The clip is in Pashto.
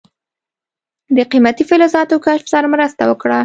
د قیمتي فلزاتو کشف سره مرسته وکړه.